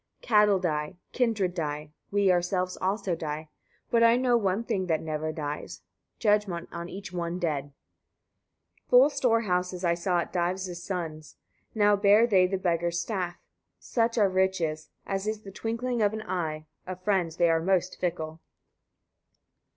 77. Cattle die, kindred die, we ourselves also die; but I know one thing that never dies, judgment on each one dead. 78. Full storehouses I saw at Dives' sons': now bear they the beggar's staff. Such are riches; as is the twinkling of an eye: of friends they are most fickle.